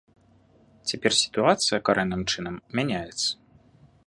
Цяпер сітуацыя карэнным чынам мяняецца.